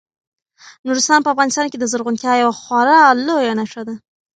نورستان په افغانستان کې د زرغونتیا یوه خورا لویه نښه ده.